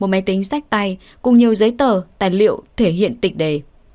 một máy tính sách tay cùng nhiều giấy tờ tài liệu thể hiện tịch đề